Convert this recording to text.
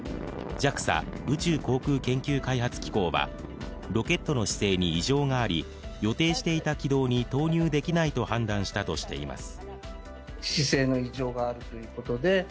ＪＡＸＡ＝宇宙航空研究開発機構はロケットの姿勢に異常があり、予定していた軌道に投入できないと判断したとしています。